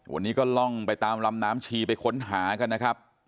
วันนี้ก็ล่องไปตามลำน้ำชีไปค้นหากันนะครับ